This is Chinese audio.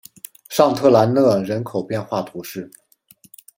尚特兰讷人口变化图示